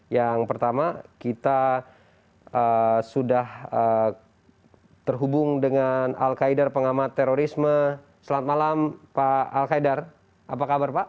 yang pertama kita sudah terhubung dengan al qaidar pengamat terorisme selamat malam pak al qaidar apa kabar pak